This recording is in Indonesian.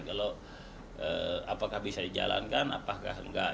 kalau apakah bisa dijalankan apakah enggak